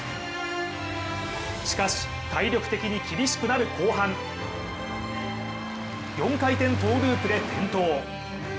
しかし体力的に厳しくなる後半、４回転トウループで転倒。